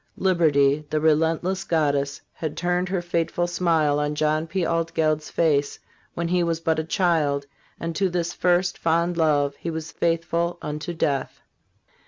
Liberty, the relentless goddess, had turned her fateful smile on John P. Altgeld's face when he was but a child, and to this first, fond love he was faithful unto death.